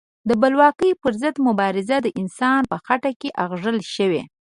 د بلواکۍ پر ضد مبارزه د انسان په خټه کې اغږل شوې.